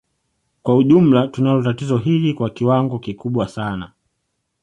Kwa ujumla tunalo tatizo hili kwa kiwango kikubwa sana